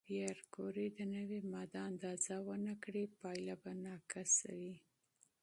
که پېیر کوري د نوې ماده اندازه ونه کړي، پایله به ناقصه وي.